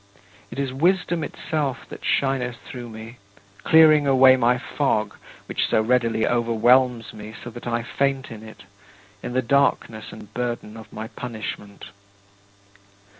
It is Wisdom itself that shineth through me, clearing away my fog, which so readily overwhelms me so that I faint in it, in the darkness and burden of my punishment.